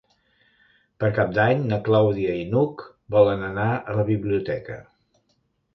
Per Cap d'Any na Clàudia i n'Hug volen anar a la biblioteca.